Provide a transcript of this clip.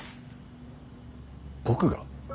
僕が？